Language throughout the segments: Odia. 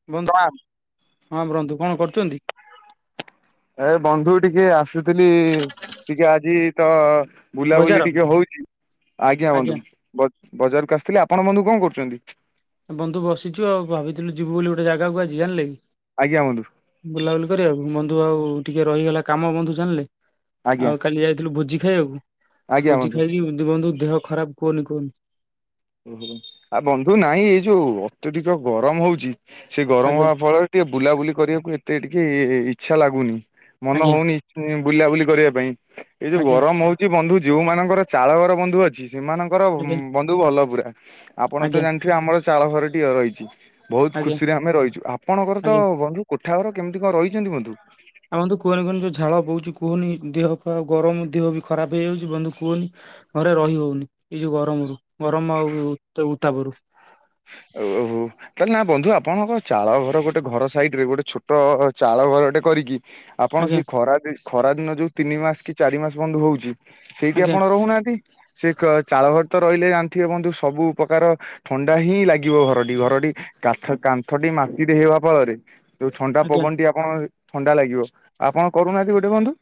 ବ ପ୍ରଣାମ। ହଁ ବ୍ରନ୍ଧୁ କଣ କରୁଚନ୍ତି? ଏ ବନ୍ଧୁ ଟିକେ ଆସୁଥିଲି ଟିକେ ଆଜି ତ ବୁଲାବୁଲି ବଜାର ଟିକେ ହୋଉଚି ଆଜ୍ଞା ବନ୍ଧୁ। ବ-ବଜାରକୁ ଆସିଥିଲି ଆପଣ ବନ୍ଧୁ କଣ କରୁଚନ୍ତି? ବନ୍ଧୁ ବସିଚୁ ଆଉ ଭାବିଥିଲୁ ଯିବୁ ବୋଲି ଗୋଟେ ଜାଗାକୁ ଆଜି ଜାଣିଲେ କି। ଆଜ୍ଞା ବନ୍ଧୁ। ବୁଲାବୁଲି କରିବାକୁ ବନ୍ଧୁ ଆଉ ଟିକେ ରହିଗଲା କାମ ବନ୍ଧୁ ଜାଣିଲେ। ଆଜ୍ଞା ଆଉ କାଲି ଯାଇଥିଲୁ ଭୋଜି ଖାଇବାକୁ। ଭୋଜି ଖାଇକି ବନ୍ଧୁ ବନ୍ଧୁ ଦେହ ଖରାପ କୁହନି କୁହନି। ଓହୋ ଆ ବନ୍ଧୁ ନାଇଁ ଏ ଯୋଉ ଅତ୍ୟଧିକ ଗରମ ହୋଉଚି। ସେ ଗରମ ଆଜ୍ଞା ହବା ଫଳରେ ଟିକେ ବୁଲାବୁଲି କରିବାକୁ ଏତେ ଟିକେ ଇଚ୍ଛା ଲାଗୁନି ମନ ଆଜ୍ଞା ହୋଉନି ବୁଲାବୁଲି କରିବା ପାଇଁ ଏଇ ଯୋଉ ଆଜ୍ଞା ଗରମ ହୋଉ ବନ୍ଧୁ ଯେଉଁ ମାନଙ୍କର ଚାଳଘର ବନ୍ଧୁ ଅଛି। ସେମାନଙ୍କର ଆଜ୍ଞା ବନ୍ଧୁ ଭଲ ପୁରା। ଆପଣ ତ ଆଜ୍ଞା ଜାଣିଥିବେ ଆମର ଚାଳଘର ଟିଏ ରହିଚି। ବୋହୁତ ଆଜ୍ଞା ଖୁସିରେ ଆମେ ରହିଚୁ। ଆପଣଙ୍କର ତ ଆଜ୍ଞା। ବନ୍ଧୁ କୋଠାଘର କେମିତି କଣ ରହିଚନ୍ତି ବନ୍ଧୁ? ଆଉ ବନ୍ଧୁ କୁହନି କୁହନି ଯୋଉ ଝାଳ ବୋହୁଚି କୁହନି ଦେହ ଖ ଗରମ ଦେହ ବି ଖରାପ ହେଇଯାଉଚି ବନ୍ଧୁ କୁହନି। ଘରେ ରହି ହୋଉନି ଏ ଯୋଉ ଗରମରୁ। ଗରମ ଆଉ ଉତ୍ତା-ଉତ୍ତାପରୁ। ଓ ହୋଉ। ତାହେଲେ ନା ବନ୍ଧୁ ଆପଣଙ୍କ ଚାଳ ଘର ଗୋଟେ ଘର ସାଇଟ୍ ରେ ଗୋଟେ ଛୋଟ ଚାଳ ଘରଟେ କରିକି ଆପଣ ଆଜ୍ଞା ସେଇ ଖରାଦି ଖରାଦିନ ଯୋଉ ତିନି ମାସ କି ଚାରି ମାସ ବନ୍ଧୁ ହୋଉଚି। ସେଇଠି ଆଜ୍ଞା ଆପଣ ରହୁନାହାନ୍ତି। ସେ କା ଚାଳଘରେ ତ ରହିଲେ ଜାଣିଥିବେ ବନ୍ଧୁ ସବୁ ପ୍ରକାର ଥ ଣ୍ଡା ହିଁ ଲାଗିବ ଘରଟି। ଘରଟି କାନ୍ଥ-କାନ୍ଥଟି ମାଟିରେ ହେବା ଫଳରେ ଯୋଉ ଥଣ୍ଡା ଆଜ୍ଞା। ପବନଟି ଆପଣ ଥଣ୍ଡା ଲାଗିବ। ଆପଣ କରୁନାହାନ୍ତି ଗୋଟେ ବନ୍ଧୁ।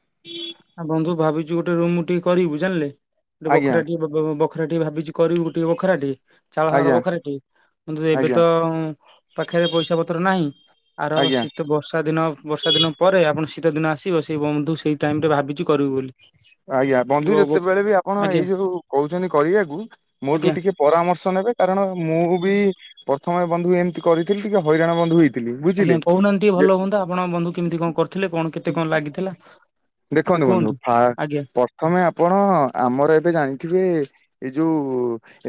ଆ ବନ୍ଧୁ ଭାବିଚୁ ଗୋଟେ ରୁମ୍ ଟିଏ କରିବୁ ଜାଣିଲେ। ଗୋଟେ ଆଜ୍ଞା ବଖରାଟିଏ ବ ବ-ବଖରା ଟିଏ ଭାବିଚି କରିବୁ ଗୋଟିଏ ବଖରାଟେ ଚାଳ ଘର ଆଜ୍ଞା ବଖରାଟି ବନ୍ଧୁ ଏବେ ଆଜ୍ଞା ତ ପାଖରେ ପଇସାପତ୍ର ନାହିଁ ଆର ଆଜ୍ଞା ଶୀତ ବର୍ଷା ଦିନ ବର୍ଷାଦିନ ପରେ ଆପଣ ଶୀତଦିନ ଆସିବ ସେଇ ବନ୍ଧୁ ସେଇ ଟାଇମ୍ ରେ ଭାବିଚି କରିବୁ ବୋଲି। ଆଜ୍ଞା ବନ୍ଧୁ ବ- ବଖ- ଯେତେବେଳେ ବି ଆପଣ ଏଇ ଆଜ୍ଞା ଯୋଉ କୋହୁଚନ୍ତି କରିବାକୁ ମୋ ଠୁ ଆଜ୍ଞା ଟିକେ ପରାମର୍ଶ ନେବେ କାରଣ ମୁଁ ବି ପ୍ରଥମେ ବନ୍ଧୁ ଏମିତି କରିଥିଲି ଟିକେ ହଇରାଣ ବନ୍ଧୁ ହେଇଥି ଆଜ୍ଞା କହୁନାହାନ୍ତି ଟିକେ ଭଲ ହୁଅନ୍ତା ଆପଣ ବନ୍ଧୁ କେମିତି କଣ କରିଥିଲେ କଣ କେତେ କଣ ଲାଗିଥିଲା। ଟିକେ ଦେଖନ୍ତୁ ବନ୍ଧୁ କୁହନ୍ତୁ? ଫା ଆଜ୍ଞା ପ୍ରଥମେ ଆପଣ ଆମର ଏବେ ଜାଣିଥିବେ ଏଇ ଯୋଉ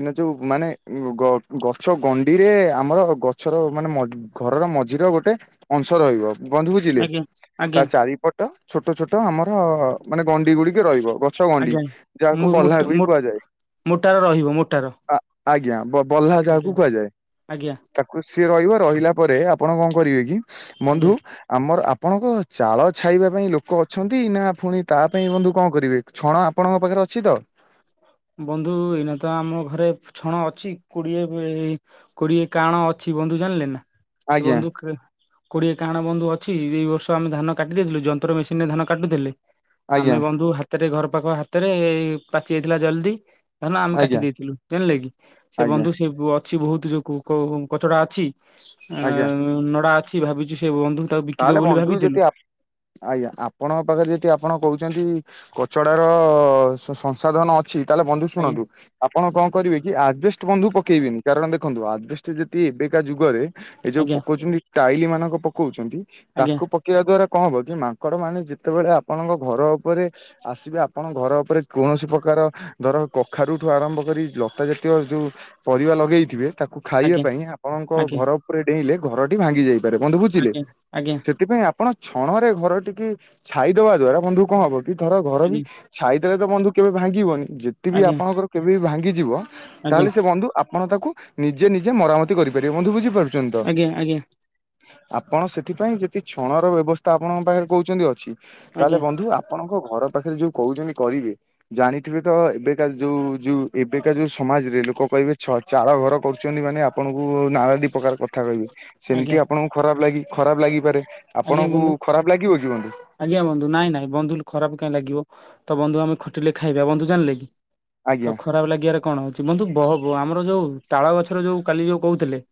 ଏଇନା ଯୋଉ ମାନେ ଗଛ ଗଣ୍ଡିରେ ଆମର ଗଛର ମାନେ ମ ଘରର ମଝିର ଗୋଟେ ଅଂଶ ରହିବ। ବନ୍ଧ ବୁଝିଲେ। ଆଜ୍ଞା ତା ଆଜ୍ଞା ଚାରିପଟ ଛୋଟ ଛୋଟ ଆମର ମାନେ ଗଣ୍ଡି ଗୁଡିକ ରହିବ ବ ଗଛଗଣ୍ଡି ଆଜ୍ଞା ଯାହାକୁ ମୋ- ବହ୍ଲା ମୋଟ- ବି ମୋଟ- କୁହାଯାଏ ମୋଟାର ରହିବ ମୋଟାର ଆ ଆଜ୍ଞା ବଲ୍ହା ଆଜ୍ଞା ଯାହାକୁ କୁହାଯାଏ। ଆଜ୍ଞା ତାକୁ ସିଏ ରହିବ ରହିଲା ପରେ ଆପଣ କଣ କରିବେ କି ଆଜ୍ଞା। ବନ୍ଧୁ ଆମର ଆପଣଙ୍କ ଚାଳ ଛାଇବା ପାଇଁ ଲୋକ ଅଛନ୍ତି ନା ପୁଣି ତା ପାଇଁ ବନ୍ଧୁ କଣ କରିବେ ଛଣ ଆପଣଙ୍କ ପାଖରେ ଅଛି ତ? ବନ୍ଧୁ ଏଇନା ତ ଆମ ଘରେ ଛଣ ଅଛି କୋଡିଏ ଏ କୋଡିଏ କାଣ ଅଛି ବନ୍ଧୁ ଜାଣିଲେ ନା ସେ ଆଜ୍ଞା ବନ୍ଧୁ‌ କା କୋଡ଼ିଏ କାହାଣ ବନ୍ଧୁ ଅଛି ଏଇ ବର୍ଷ ଆମେ ଧାନ କାଟି ଦେଇଥିଲୁ ଯନ୍ତ୍ର ମେସିନ ରେ ଧାନ କାଟିଦେଲେ। ଆମେ ଆଜ୍ଞା ବନ୍ଧୁ ହାତରେ ଘର ପାଖ ହାତରେ ଏଇ ପାଚି ଯାଇଥିଲା ଜଲଦି ଧାନ ଆମେ କାଟି ଆଜ୍ଞା ଆଜ୍ଞା ଦେଇଥିଲୁ ଜାଣିଲେ କିି ସେ ଆଜ୍ଞା ବନ୍ଧୁ ସେ ଅଛି ବହୁତ ଯୋଉ କଚ କଚଡା ଅଛି ଆଜ୍ଞା ଅ ନଡା ଅଛି ଭାବିଛୁ ସେ ବନ୍ଧୁ ତାକୁ ବିକିଦବୁ ତାହେଲେ ବୋଲି ବନ୍ଧୁ ଭାବିଥିଲୁ ଯଦି ଆ ଆଜ୍ଞା ଆପଣଙ୍କ ପାଖରେ ଯଦି ଆପଣ କହୁଚନ୍ତି କଚଡାର ସ ସଂସାଦନ ଅ ଛି ତାହେ ହେଲେ ବନ୍ଧୁ ଆଜ୍ଞା ଶୁଣନ୍ତୁ ଆପଣ କଣ କରିବେ କି ଆଡବେଷ୍ଟ ବନ୍ଧୁ ପକେଇବେନି କାରଣ ଦେଖନ୍ତୁ ଆବେଷ୍ଟ ଯଦି ଏବେକା ଯୁଗରେ ଏ ଯୋଉ ଆଜ୍ଞା ପକଉଚନ୍ତି ଟାଇଲି ମାନଙ୍କ ପକଉଚନ୍ତି ତାକୁ ପକେଆ ଦ୍ଵାରା କଣ ହରଚି ମାଙ୍କଡ ମାନେ ଯେତେବେଳେ ଆପଣଙ୍କ ଘର ଉପରେ ଆସିବେ ଆପଣ ଘର ଉପରେ କୌଣସି ପ୍ରକାର ଧର କଖାରୁଠୁ ଆରମ୍ଭ କରି ଲତା ଜାତୀୟ ଯୋଉ ପରିବା ଲଗେଇଥିବେ ତାକୁ ଖାଇବା ଆଜ୍ଞା ପାଇଁ ଆପଣଙ୍କ ଆଜ୍ଞା ଘର ଉପରେ ଡେଇଁଲେ ଘରଟି ଭାଙ୍ଗି ଯାଇପାରେ। ବନ୍ଧୁ ବୁଝିଲେ? ଆଜ୍ଞା ଆଜ୍ଞା। ସେଥିପାଇଁ ଆପଣ ଛଣ ରେ ଘର ଟିକି ଛାଇଦବା ଦ୍ଵାରା ବନ୍ଧୁ କଣ ହବ କି ଧର ଘର ବି ଛାଇଦେଲେ ତ ବନ୍ଧୁ କେବେ ଭାଙ୍ଗିବନି ଯେତି ବିି ଆଜ୍ଞା ଆପଣଙ୍କର କେବେ ବିି ଭାଙ୍ଗିଯିବ ଆଜ୍ଞା ଆଜ୍ଞା ତାହେଲେ ସେ ବନ୍ଧୁ ଆପଣ ତାକୁ ନିଜେ ନିଜେ ମରାମତି କରିପାରିବେ। ବନ୍ଧୁ ବୁଝିପାରୁ ଚନ୍ତି ତ ଆଜ୍ଞା ଆପଣ ସେ ସେଥିପାଇ ଯଦି ଛଣ ର ବ୍ୟବସ୍ଥ ଆପଣଙ୍କ ପାଖରେ କହୁଚନ୍ତି ଅଛି ଆଜ୍ଞା ତାହାହେଲେ ଆଜ୍ଞା ବନ୍ଧୁ ଆ ଆପଣଙ୍କ ଘର ପାଖରେ ଯୋଉ କହୁଚନ୍ତି କରିବେ ଜାଣିଥିବେ ତ ଏବେକା ଯୋଉ ଯୋଉ ଏବେକା ଯୋଉ ସମାଜରେ ଲୋକ କହିବେ ଛ ଚଳ ଘର କରୁଚନ୍ତି ମାନେ ଆପଣଙ୍କୁ ନାଳ ଦି ପ୍ରକାର କଥା କହିବେ। ଆଜ୍ଞା ସେମିତି ଆପଣଙ୍କୁ ଖରାପ ଲାଗି ଖରାପ ଲାଗିପାରେ। ଆଜ୍ଞା ଆପଣଙ୍କୁ ବନ୍ଧୁ ଖରାପ ଲାଗିବ କି ବନ୍ଧୁ? ଆଜ୍ଞା ବନ୍ଧୁ ନାଇଁ ନାଇଁ ବନ୍ଧୁ ଖରାପ କାଇଁ ଲାଗିବ। ତ ବନ୍ଧୁ ଆମେ ଖଟେ ଖାଇବା। ବନ୍ଧୁ ଜାଣିଲେ କି ଆଜ୍ଞା ତ ଖରାପ ଲାଗିବାରେ କଣ ଅଛି। ବନ୍ଧୁ ବବ ଆମର ଯୋଉ ତାଳ ଗଛର ଯୋଉ କାଲି ଯୋଉ କହୁଥିଲେ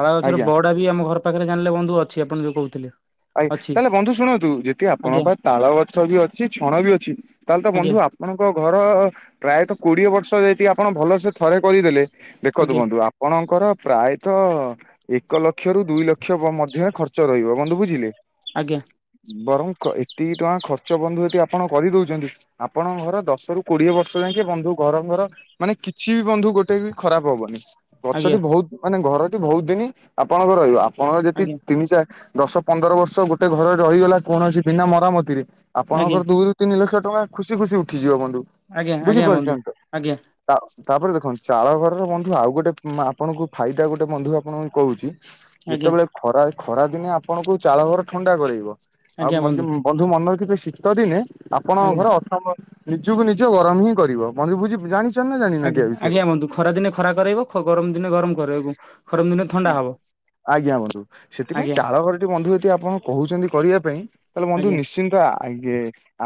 ତାଳ ଗଛରେ ଆଜ୍ଞା। ବଡା ବି ଆମ ଘର ପାଖରେ ଜାଣିଲେ ବନ୍ଧୁ ଅଛି ଆପଣ ଯୋଉ କହୁଥିଲେ। ଆଜ୍ଞା ଅଛି ତାହେଲେ ବନ୍ଧୁ ଶୁଣନ୍ତୁ ଯଦି ଆପଣଙ୍କ ଆଜ୍ଞା ପା ତାଳ ଗଛ ବି ଅଛି ଛଣ ବି ଅଛି ତାହେଲେ ତ ଆଜ୍ଞା ବନ୍ଧୁ ଆ ଆପଣଙ୍କ ଘର ପ୍ରାୟତଃ କୋଡିଏ ବର୍ଷ ଯାଇକି ଆପଣ ଭଲ ସେ ଥରେ କରିଦେଲେ ଦେଖନ୍ତୁ ଆଜ୍ଞା ବନ୍ଧୁ ଆପଣଙ୍କର ପ୍ରାୟତଃ ଏକ ଲକ୍ଷ ରୁ ଦୁଇ ଲକ୍ଷ ମଧ୍ୟରେ ଖର୍ଚ୍ଚ ରହିବ। ବନ୍ଧୁ ବୁଝି ଝିଲେ? ଆଜ୍ଞା। ବରଂ ଏତିକି ଟଙ୍କା ଖର୍ଚ୍ଚ ବନ୍ଧୁ ଏ ଆପଣ କରିଦଉଛନ୍ତି। ଆପଣଙ୍କ ଘର ଦଶ ରୁ କୋଡିଏ ବର୍ଷ ଯାଙ୍କେ ବନ୍ଧୁ ଘର ଘର ମାନେ କିଛି ବି ବନ୍ଧୁ ଗୋଟେ ବି ଖରାପ ହବନି। ଗଛଟି ବହୁତ ମାନେ ଘରଟି ବହୁତ ଦିନି ଆପଣଙ୍କର ରହିବ। ଆପଣଙ୍କର ଯଦି ଆଜ୍ଞା ତିନି ଚାରି ଦଶ ପନ୍ଦର ବର୍ଷ ଗୋଟେ ଘରେ ରହିଗଲା କୌଣସି ବିନା ମରାମତିରେ, ଆଜ୍ଞା ଆଜ୍ଞା ଆପଣଙ୍କର ଦୁଇରୁ ତିନି ଲକ୍ଷ ଟଙ୍କା ଖୁସି ଖୁସି ଉଠିଯିବ ବନ୍ଧୁ। ଆଜ୍ଞା ବୁଝି ଆଜ୍ଞା ବନ୍ଧୁ ପାରୁଛନ୍ତି ଆଜ୍ଞା ତ? ତାପରେ ଦେଖନ୍ତୁ ଚାଳ ଘରର ବନ୍ଧୁ ଆଉ ଗୋଟେ ଆପଣଙ୍କୁ ଫାଇଦା ଗୋଟେ ବନ୍ଧୁ ଆପଣଙ୍କୁ କହୁଛି। ଆଜ୍ଞା ଯେତେବେଳେ ଖରା ଖରା ଦିନେ ଆପଣଙ୍କୁ ଚାଳଘର ଥଣ୍ଡା କରେଇବ। ଆଉ ମ ବନ୍ଧୁ ମନେ ରଖିଥିବେ ଶୀତ ଦିନେ ଆପଣଙ୍କ ଆଜ୍ଞା ଘର ଅ ନିଜକୁ ନିଜ ଗରମ ହିଁ କରିବ। [unintelligible] ବୁଝି ଜାଣିଛ ଆଜ୍ଞା ଆଜ୍ଞା ବନ୍ଧୁ ଖରା ଦିନେ ଖରା କରେଇବ। ଖ ଗରମ ଦିନେ ଗରମ କରେଇବ ଖରମ ଦିନେ ଥଣ୍ଡା ହବ। ଆଜ୍ଞା ବନ୍ଧୁ ସେଥିପାଇଁ ଆଜ୍ଞା ଚାଳଘରଟି ବନ୍ଧୁ ଯଦି ଆପଣ କହୁଛନ୍ତି କରିବା ପାଇଁ ତାହେଲେ ବନ୍ଧୁ ଆଜ୍ଞା ନିଶ୍ଚ ଶ୍ଚିତ ଆଗେ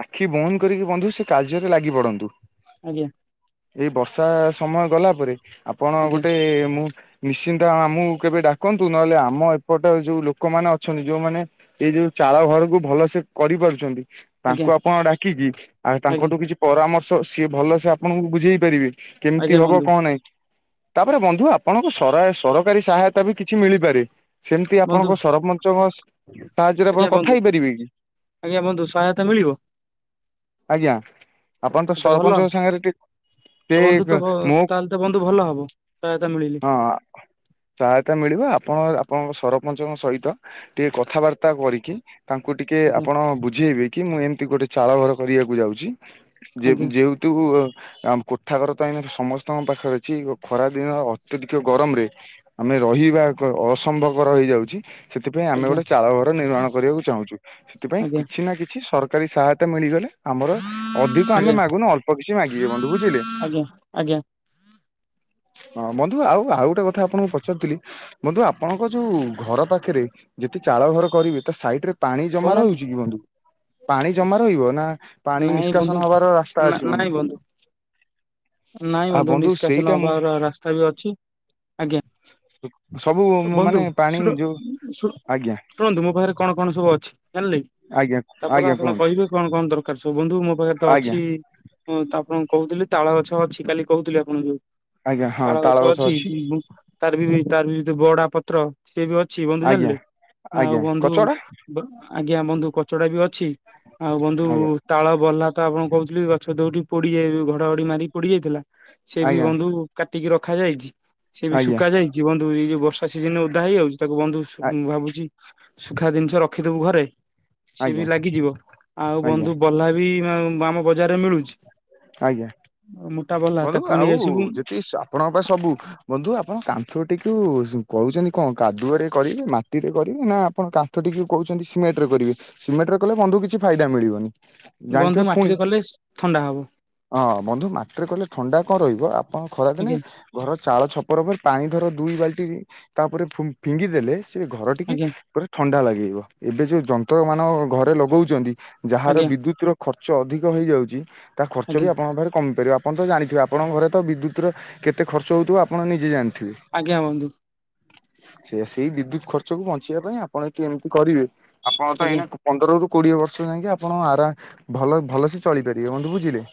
ଆଖି ବନ୍ଦ୍ କରିକି ବନ୍ଧୁ ସେ କାର୍ଯ୍ୟରେ ଲାଗି ପଡନ୍ତୁ। ଆଜ୍ଞା। ଏଇ ବର୍ଷା ସମୟ ଗଲା ପରେ ଆପଣ ଆଜ୍ଞା ଗୋଟେ ମୁଁ ମେସିନ୍ ଟା ଆଣ ମ ମକୁ କେବେ ଡାକନ୍ତୁ, ନହେଲେ ଆମ ଏପଟେ ଯୋଉ ଲୋକମାନେ ଅଛନ୍ତି ଯୋଉମାନେ ଏଇ ଯୋଉ ଚାଳ ଘରକୁ ଭଲ ସେ କରି ପାରୁଛନ୍ତି। ଆଜ୍ଞା ତାଙ୍କୁ ଆପଣ ଡାକିକି, ଆଉ ଆଜ୍ଞା ତାଙ୍କଠୁ କିଛି ପରାମର୍ଶ ସିଏ ଭଲ ସେ ଆପଣଙ୍କୁ ବୁଝେଇ ପାରିବେ। କେମିତି ଆଜ୍ଞା ହବ ବନ୍ଧୁ କଣ ନାହିଁ। ତାପରେ ବନ୍ଧୁ ଆପଣଙ୍କୁ ସରା ସର କାରୀ ସହାୟତା ବି କିଛି ମିଳିପାରେ। ସେମିତି ବନ୍ଧୁ ଆପଣଙ୍କ ସରପଞ୍ଚଙ୍କ ସାହାଯ୍ୟରେ ଆଜ୍ଞା ଆପଣ କଥା ବନ୍ଧୁ ହେଇପାରିବେ କି? ଆଜ୍ଞା ବନ୍ଧୁ ସହାୟତା ମିଳିବ? ଆଜ୍ଞା ଆପଣ ତ ମତେ ଭଲ ସରପଞ୍ଚଙ୍କ ସାଙ୍ଗରେ ଟିକ୍ ଟେ ତ ବନ୍ଧୁ ତ ଭ- ମୁଁ ତାହେଲେ ବନ୍ଧୁ ଭଲ ହବ ସହାୟତା ମିଳିଲେ। ସହାୟତା ମିଳିବ ଆପଣ ଆପଣଙ୍କ ସରପଞ୍ଚଙ୍କ ସହିତ ଟିକେ କଥାବାର୍ତ୍ତା କରିକି ତାଙ୍କୁ ଟିକେ ଆଜ୍ଞା ଆପଣ ବୁଝେଇବେ କି ମୁଁ ଏମିତି ଗୋଟେ ଚାଳ ଘର କରିବାକୁ ଯାଉଛି। ଯେ ଆଜ୍ଞା ଯେଉ ମୁଁ କୋଠା ଘର ତ ଏଇନା ସମସ୍ତଙ୍କ ପାଖରେ ଅଛି ଖରାଦିନ ଅତ୍ୟଧିକ ଗରମରେ ଆମେ ରହିବା ଅସମ୍ଭବକର ହେଇଯାଉଛି। ସେଥିପାଇଁ ଆମେ ଆଜ୍ଞା ଗୋଟେ ଚାଳ ଘର ନିର୍ମାଣ କରିବାକୁ ଚାହୁଁଛୁ। ସେଥିପାଇଁ ଆଜ୍ଞା କିଛି ନା କିଛି ସରକାର ସରକାରୀ ସହାୟତା ମିଳିଗଲେ ଆମର ଅଧିକ ଆମେ ଆଜ୍ଞା ମାଗୁନୁ ଅଳ୍ପ କିଛି ମାଗିବେ ବନ୍ଧୁ ବୁଝିଲେ। ଆଜ୍ଞା ଆଜ୍ଞା। ହଁ ବନ୍ଧୁ ଆଉ ଆଉ ଗୋଟେ କଥା ଆପଣଙ୍କୁ ପଚାରୁଥିଲି ବନ୍ଧୁ ଆପଣଙ୍କ ଯୋଉ ଘର ପାଖରେ ଯେତେ ଚାଳ ଘର କରିବେ ତା ସାଇଡରେ ପାଣି ଜମା କହୁନାହାନ୍ତି। ରହୁଛି କି ବନ୍ଧୁ? ପାଣି ଜମା ରହିବ ନା ପାଣି ନାଇଁ ବନ୍ଧୁ ନିଷ୍କାସନ ହବାର ରାସ୍ତା ନା ଅଛି ବନ୍ଧୁ? ନାଇଁ ନାଇଁ ଆଉ ବନ୍ଧୁ ନିଷ୍କାସନ ସେଇଟା ମୁଁ ହବାର ରାସ୍ତା ବି ଅଛି। ଆଜ୍ଞା। ସବୁ ବନ୍ଧୁ ମାନେ ପାଣି ଶୁଣ ଯୋଉ ଶୁଣ ଆଜ୍ଞା ଶୁଣନ୍ତୁ ମୋ ପାଖରେ କଣ କଣ ସବୁ ଅଛି ଜାଣିଲେ କି। ଆଜ୍ଞା ତାପରେ ଆଜ୍ଞା ଆପଣ କୁହନ୍ତୁ କହିବେ କଣ କଣ ଦରକାର। ବନ୍ଧୁ ମୋ ପାଖରେ ତ ଆଜ୍ଞା ଅଛି ତ ଆପଣଙ୍କୁ କହୁଥିଲି ତାଳ ଗଛ ଅଛି କାଲି କହୁଥିଲି ଆପଣଙ୍କୁ ତାଳ ଗଛ ଅଛି। ତାର ବି ତାର ବି ବଡା ପତ୍ର। ସଏ ବି ଅଛି ବନ୍ଧୁ ଆଜ୍ଞା ଜାଣିଲେ। ଆଉ ଆଜ୍ଞା ବନ୍ଧୁ କଚଡା ଆଜ୍ଞା ବନ୍ଧୁ କଚଡା ବି ଅଛି। ଆଉ ବନ୍ଧୁ ଆଜ୍ଞା ତାଳ ବଲ୍ହା ତ ଆପଣଙ୍କୁ କହୁଥିଲି ଗଛ ଦୋଓଟି ପୋଡିଯାଇ ଘଡଘଡି ମାରି ପୋଡି ଯାଇଥିଲା। ସେ ବି ଆଜ୍ଞା ବନ୍ଧୁ କାଟିକି ରଖା ଯାଇଛି, ସେ ବି ଆଜ୍ଞା ଶୁଖା ଯାଇଛି। ଯିଏ ବନ୍ଧୁ ଏଇ ଯୋଉ ବର୍ଷା ସିଜନ ଓଦା ହେଇଯାଉଛି ତାକୁ ବନ୍ଧୁ ଭାବୁଛି ସୁଖା ଜିନିଷ ରଖିଦବୁ ଘରେ ସି ବି ଆଜ୍ଞା ଲାଗିଯିବ ଆଉ ଆଜ୍ଞା ବନ୍ଧୁ। ବଲ୍ଲା ବି ଆମ ବଜାରରେ ମିଳୁଛି। ଆଜ୍ଞା ମୋଟା ବହ୍ଲା ବନ୍ଧୁ ତାକୁ ନେଇ ଆଉ ଆସିବୁ। ଯେତିିକି ଆପଣଙ୍କ ପାଇଁ ସବୁ। ବନ୍ଧୁ ଆପଣ କାନ୍ଥ ଟିକୁ କହୁଛନ୍ତି କଣ କାଦୁଅରେ କରିବେ ନା ମାଟିରେ କରିବେ ନା ଆପଣ କା ତ ଟିକେ କହୁଛନ୍ତି ସିମେଟରେ କରିବେ ସିମେଣ୍ଟରେ କଲେ ବନ୍ଧୁ କିଛି ଫାଇଦା ମିଳିବନି। ବନ୍ଧୁ ଜାଣିଥିବେ ପୁଣି ମାଟିରେ କଲେ ଥଣ୍ଡା ହବ। ହଁ ବନ୍ଧୁ ମାଟିରେ କହିଲେ ଥଣ୍ଡା କଣ ରହିବ ଆପଣ ଖରାଦିନେ ଆଜ୍ଞା। ଘର ଚାଳ ଛପର ପରେ ପାଣି ଧର ଦୁଇ ବାଲ୍ଟି ତାପରେ ଫୁଫିଙ୍ଗିଦେଲେ। ଏ ଘର ଟିକି ଆଜ୍ଞା ଗୋଟେ ଥଣ୍ଡା ଲାଗିବ ଏବେ ଯୋଉ ଯନ୍ତ୍ର ମାନବ ଘରେ ଲଗଉଚନ୍ତି। ଯାହାର ଆଜ୍ଞା ବିଦ୍ୟୁତ୍ ର ଖର୍ଚ୍ଚ ଅଧିକ ହେଇଯାଉଚି ତା ଖର୍ଚ୍ଚ ଆଜ୍ଞା ବି ଆପଣଙ୍କ ପାଖରେ କମିପାରିବ ଆପଣ ତ ଜାଣିଥିବେ ଆପଣଙ୍କ ଘରେ ତ ବିଦ୍ୟୁତ୍ ର କେତେ ଖର୍ଚ୍ଚ ହେଉଥୁବ ଆପଣ ନିଜେ ଜାଣିଥିବେ। ଆଜ୍ଞା ବନ୍ଧୁ। ସେ ସେଇ ବିଦ୍ୟୁତ ଖର୍ଚ୍ଚକୁ ବଞ୍ଚେଇବା ପାଇଁ ଆପଣ ଏଠି ଏମିତି କରିବେ ଆପଣ ତ ଆଜ୍ଞା ଏଇନା ପନ୍ଦରରୁୁ କୋଡିଏ ବର୍ଷ ଯାଇକି ଆପଣ ଆରାମ ଭଲ ଭଲସେ ଚଳିପାରିବେ ବନ୍ଧୁ ବୁଝିଲେ।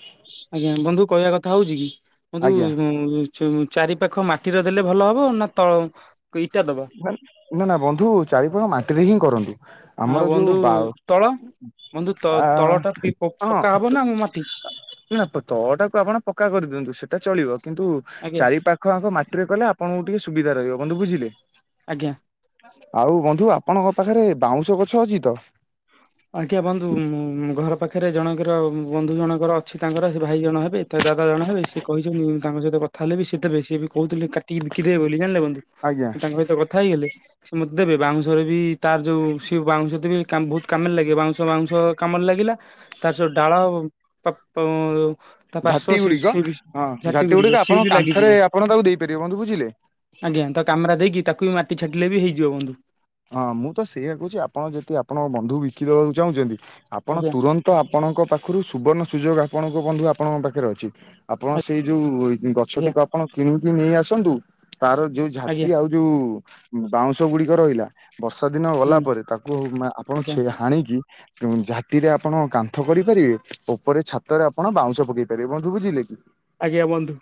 ଆଜ୍ଞା ବନ୍ଧୁ କହିବା କଥା ହୋଉଚି କି ଆଜ୍ଞା ବନ୍ଧୁ ଚାରି ପାାଖ ମାଟିର ଦେଲେ ଭଲ ହବ ନା ତ ନା ନା ବନ୍ଧୁ ଚାାରିପାଖ ମାଟିରେ ହିଁ କରନ୍ତି। ଆଉ ଆମର ଯୋଉ ବନ୍ଧୁ ବାଓ ତଳ ବନ୍ଧୁ ତଳ ଆଁ ଟା ହଁ। ପକ୍କା ହବ ନା ମାଟି ନା ତଳଟାକୁ ଆପଣ ପକ୍କା କରିଦିଅନ୍ତୁ ସେଟା ଚଳିବ କିନ୍ତୁ ଆଜ୍ଞା ଚାରି ପାଖ ଆପଣ ମାଟିରେ କଲେ ଆପଣଙ୍କୁ ଟିକେ ସୁବିଧା ରହିବ ବନ୍ଧୁ ବୁଝିଲେ। ଆଜ୍ଞା। ଆଉ ବନ୍ଧୁ ଆପଣଙ୍କ ପାଖରେ ବାଉଁଶ ଗଛ ଅଛି ତ? ଆଜ୍ଞା ବନ୍ଧୁ ଘର ପାଖରେ ଜଣଙ୍କର ବନ୍ଧୁ ଜଣଙ୍କର ଅଛି ତାଙ୍କର ସେ ଭାଇ ଜଣେ ହେବେ ତା ଦାଦା ଜଣେ ହେବେ ସେ କହିଛନ୍ତି ତାଙ୍କ ସହିତ କଥା ହେଲେ ବି ସେ ଦେବେ ସିଏ ବି କହୁଥିଲେ କା ଟିକେ ବିକିଦେବେ ବୋଲି ଜାଣିଲେ ବନ୍ଧୁ ଆଜ୍ଞା ତାଙ୍କ ସହିତ କଥା ହେଇଗଲେ। ସେ ମତେ ଦେବେ ବାଉଁଶରେ ବି ତାର ଯୋଉ ସି ବାଉଁଶ ଦେବେ କାମ ବହୁତ କାମରେ ଲାଗିବ ବାଉଁଶ ବାଉଁଶ କାମରେ ଲାଗିଲା ତାର ସବୁ ଡାଳ ଆଉ ପ ପ ଝାଟି ଗୁଡ଼ିକ ହଁ ଝାଟି ଗୁଡ଼ିକ ସିଏ ବି ଆପଣଙ୍କ ଲାଗିଯିବ କାନ୍ଥରେ ଆପଣ ତାକୁ ଦେଇପାରିବେ, ବନ୍ଧୁ ବୁଝିଲେ? ଆଜ୍ଞା ତ କାମରା ଦେଇକି ତାକୁ ବି ମାଟି ଛାଟିଲେ ବି ହେଇଯିବ ବନ୍ଧୁ। ହଁ ମୁଁ ତ ସେଇଆ କହୁଚି ଆପଣ ଯଦି ଆପଣଙ୍କ ବନ୍ଧୁ ବିକି ଦେବାକୁ ଚାହୁଁଛନ୍ତି ଆପଣ ଆଜ୍ଞା ତୁର ତ ଆପଣଙ୍କ ପାଖୁରୁ ସୁବର୍ଣ୍ଣ ସୁଯୋଗ ଆପଣଙ୍କ ବନ୍ଧୁ ଆପଣଙ୍କ ପାଖରେ ଅଛି ଆପଣ ସେଇ ଯୋଉ ଆଜ୍ଞା ଗଛଟିକୁ ଆପଣ କିଣିକି ନେଇ ଆସନ୍ତୁ ତାର ଯୋଉ ଝାଟି ଆଜ୍ଞା ଆଉ ଯୋଉ ବାଉଁଶ ଗୁଡ଼ିକ ରହିଲା। ବର୍ଷା ଦିନ ହୁଁ ଗଲା ପରେ ତାକୁ ମେ ଆପଣ ଆଜ୍ଞା ଛେ ହାଣିକି ଏବଂ ଝାଟିରେ ଆପଣ କାନ୍ଥ କରିପାରିବେ। ଓପରେ ଛାତରେ ଆପଣ ବାଉଁଶ ପକେଇ ପାରିବେ ବନ୍ଧୁ ବୁଝିଲେ କି? ଆଜ୍ଞା ବନ୍ଧୁ।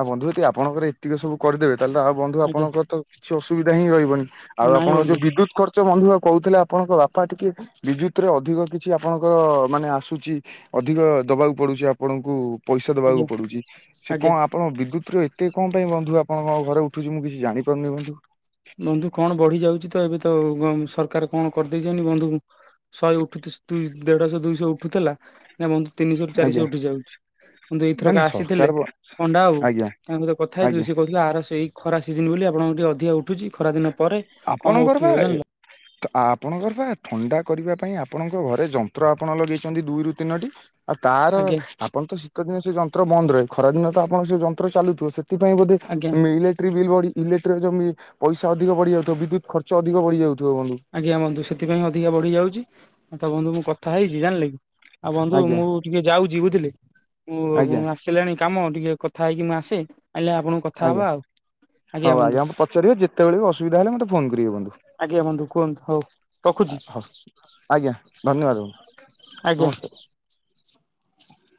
ଆଉ ବନ୍ଧୁ ଯଦି ଆପଣଙ୍କର ଏତିକ ସବୁ କରିଦେବେ ତାଲେ ତ ଆଉ ବନ୍ଧୁ ଆଜ୍ଞା ଆପଣଙ୍କର ତ କିଛି ଅସୁବିଧା ହିଁ ରହିବନି ଆଉ ନାଇଁ ଆପଣ ଯୋଉ ବନ୍ଧୁ ବିଦ୍ୟୁତ କର୍ ଚ ବନ୍ଧୁ ଆଉ କହୁଥିଲେ ଆପଣଙ୍କ ବାପା ଟିକେ ବିଦ୍ୟୁତରେ ଅଧିକ କିଛି ଆପଣଙ୍କର ମାନେ ଆସୁଚି। ଅଧିକ ଦବାକୁ ପଡ଼ୁଚି ଆପଣଙ୍କୁ ପଇସା ଦବାକୁ ଆଜ୍ଞା ପଡ଼ୁଚି ସେ କଁ ଆଜ୍ଞା ଆ ପଣ ବିଦ୍ୟୁତର ଏତେ କଁ ପାଇଁ ବନ୍ଧୁ ଆପଣଙ୍କ ଘରେ ଉଠୁଚି ମୁଁ କିଛି ଜାଣିପାରୁନେଇ ବନ୍ଧୁ। ବନ୍ଧୁ କଣ ବଢ଼ି ଯାଉଚି ତ ଏବେ ତ ଗ ସରକାର କଣ କରିଦେଇଚନ୍ତି ବନ୍ଧୁ। ଶହେ ଉଠୁଥିସ୍ ଦୁଇ ଦେଢ଼ ଶ ଦୁଇଶ ଉଠୁଥେଲା ନାଁ ବନ୍ଧୁ ତିନିଶରୁ ଆଜ୍ଞା ଚାରିଶ ଉଠି ଯାଉଚି। କିନ୍ତୁ ନା ଏଇଥରକ ନା ସରକାର ଆସିଥିଲେ ପଣ୍ଡା ବାବୁ ଆଜ୍ଞା ତାଙ୍କ ସହିତ କଥା ଆଜ୍ଞା ହେଇଥିଲି ସେ କହିଥିଲେ ଆର ସେଇ। ଖରା ସିଜନ୍ ବୋଲି ଆପଣଙ୍କ ଟିକିଏ ଅଧିକା ଉଠୁଛି ଖରା ଦିନ ପରେ କମ ଆପଣଙ୍କର ଉଠିବ ବା ଜାଣିଲ ତ ଆପଣଙ୍କର ବା ଥଣ୍ଡା କରିବା ପାଇଁ ଆପଣଙ୍କ ଘରେ ଯନ୍ତ୍ର ଆପଣ ଲଗେଇଛନ୍ତି ଦୁଇରୁ ତିନିଟି। ଆଉ ତାର ଆଜ୍ଞା ଆପଣ ତ ଶୀତ ଦିନେ ସେ ଯନ୍ତ୍ର ବନ୍ଦ ରହେ ଖରାଦିନ ତ ଆପଣ ସେ ଯନ୍ତ୍ର ଚାଲୁଥିବ ସେ ସେଥିପାଇଁ ବୋଧେ ଆଜ୍ଞା ଇଲେକ୍ଟ୍ରିକ ବିଲ୍ ବଢି ଇଲେକ୍ଟ୍ର ପଇସା ଅଧିକ ବଢିଯାଉଛି। ତ ବିଦ୍ୟୁତ ଖର୍ଚ୍ଚ ଅଧିକ ବଢି ଯାଉଥିବ ବନ୍ଧୁ? ଆଜ୍ଞା ବନ୍ଧୁ ସେଥିପାଇଁ ଅଧିକା ବଢ଼ିଯାଉଛି ତ ବନ୍ଧୁ ମୁଁ କଥା ହେଇଛି ଜାଣିଲେ କି? ଆଉ ବନ୍ଧୁ ଆଜ୍ଞା ମୁଁ ଟିକେ ଯାଉଛି ବୁଝିଲି ମୁଁ ଆଜ୍ଞା ଆସେ କଣି କାମ ଟିକେ କଥା ହେଇକି ମୁଁ ଆସେ ଆଇଲେ ଆପଣ ଆଜ୍ଞା ହଉ ଆଜ୍ଞା ମତେ ପଚାରିବେ ଯେତେବେଳେ ବି ଅସୁବିଧା ହେଲେ ମତେ ଫୋନ କରିବେ ବନ୍ଧୁ। ଆଜ୍ଞା ବନ୍ଧୁ କୁହନ୍ତୁ ହଉ ରଖୁଛି? ହଉ ଆଜ୍ଞା ଧନ୍ୟବାଦ ବନ୍ଧୁ। ଆଜ୍ଞା। ନମସ୍କାର।